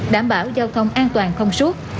đảm bảo giao thông an toàn không suốt